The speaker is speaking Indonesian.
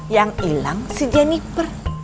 yang hilang si jennifer